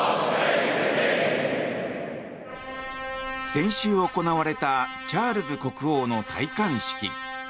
先週行われたチャールズ国王の戴冠式。